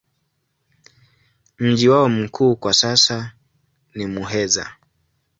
Mji wao mkuu kwa sasa ni Muheza.